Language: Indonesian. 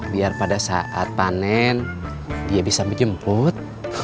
biar pada saat panen dia bisa menjemput